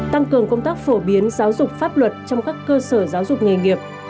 tăng cường công tác phổ biến giáo dục pháp luật trong các cơ sở giáo dục nghề nghiệp